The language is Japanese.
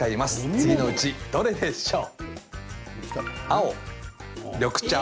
次のうちどれでしょう。